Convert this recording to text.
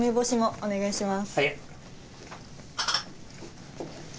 お願いします。